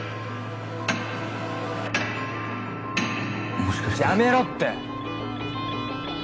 もしかしてやめろって！